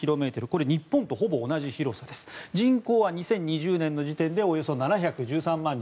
これは日本とほぼ同じ広さで人口は２０２０年時点でおよそ７１３万人。